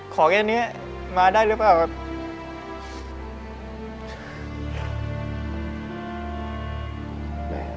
ของอย่างเนี้ยมาได้หรือเปล่า